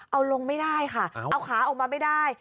เอาลงไม่ได้ค่ะเอาขาออกมาไม่ได้